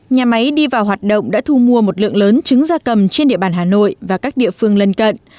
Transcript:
nhà máy đi vào hoạt động đã thu mua một lượng lớn trứng da cầm trên địa bàn hà nội và các địa phương lân cận